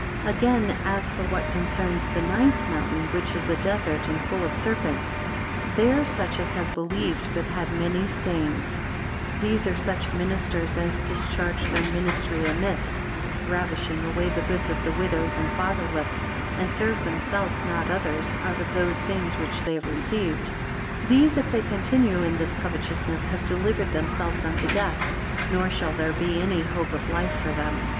218 Again; as for what concerns the ninth mountain which is a desert, and full of serpents; they are such as have believed, but had many stains: 219 These are such ministers as discharge their ministry amiss; ravishing away the goods of the widows and fatherless; and serve themselves, not others, out of those things which they have received. 220 These, if they continue in this covetousness, have delivered themselves unto death, nor shall there be any hope of life for them.